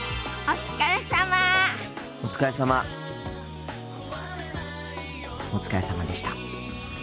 お疲れさまでした。